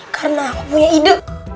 karena aku punya ide